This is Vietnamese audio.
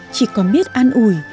chỉ có biết an ủi